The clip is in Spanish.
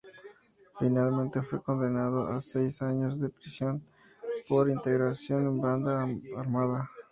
Finalmente fue condenado a seis años de prisión por integración en banda armada.